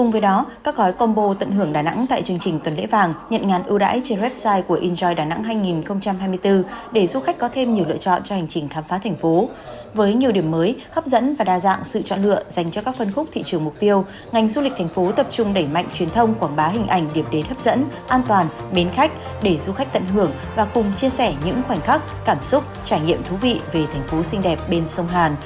với nhiều điểm mới hấp dẫn và đa dạng sự chọn lựa dành cho các phân khúc thị trường mục tiêu ngành du lịch thành phố tập trung đẩy mạnh truyền thông quảng bá hình ảnh điểm đến hấp dẫn an toàn bến khách để du khách tận hưởng và cùng chia sẻ những khoảnh khắc cảm xúc trải nghiệm thú vị về thành phố xinh đẹp bên sông hàn